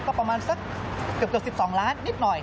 ก็ประมาณสักเกือบ๑๒ล้านนิดหน่อย